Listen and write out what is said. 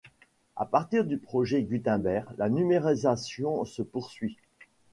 À partir du Projet Gutenberg, la numérisation se poursuit.